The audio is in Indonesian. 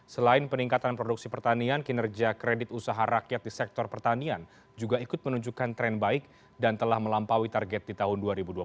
selain peningkatan produksi pertanian kinerja kredit usaha rakyat di sektor pertanian juga ikut menunjukkan tren baik dan telah melampaui target di tahun dua ribu dua puluh satu